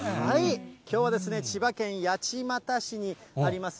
きょうはですね、千葉県八街市にあります